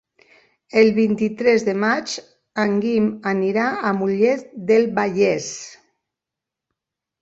El vint-i-tres de maig en Guim anirà a Mollet del Vallès.